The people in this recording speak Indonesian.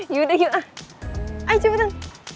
yaudah yuk ayo cepetan